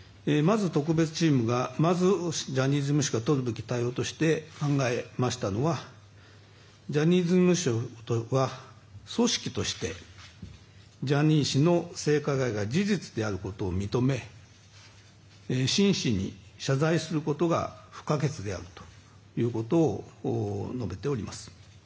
まずジャニーズ事務所がとるべき対応として考えましたのはジャニーズ事務所は組織としてジャニー氏の性加害が事実であることを認め真摯に謝罪することが不可欠であるということを述べております。